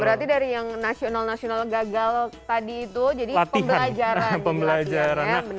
berarti dari yang nasional nasional gagal tadi itu jadi pembelajaran